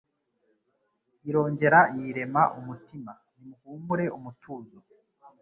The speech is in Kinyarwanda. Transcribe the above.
Irongera iyirema umutima ni muhumure umutuzo